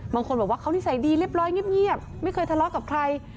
บางคนบอกว่าเขานิสัยดีเรียบร้อยเงียบไม่เคยทะเลาะกับใคร